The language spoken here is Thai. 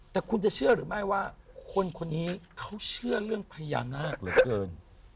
แต่คุณจะเชื่อหรือไม่ว่าคนคนนี้เขาเชื่อเรื่องพญานาคเหลือเกิน